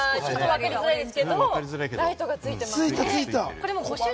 わかりづらいですけど、ライトがついてます。